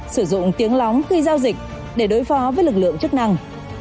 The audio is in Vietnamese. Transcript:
sử dụng tiếng lóng khi giao dịch để đối phó với lực lượng chức năng